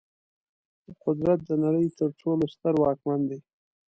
قدرت د نړۍ تر ټولو ستر واکمن دی.